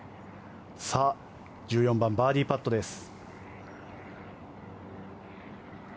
１４番、バーディーパットです。